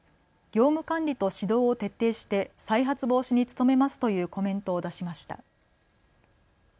業務管理と指導を徹底して再発防止に努めますというコメントを出しました。